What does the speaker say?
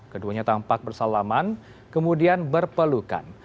keduanya tampak bersalaman kemudian berpelukan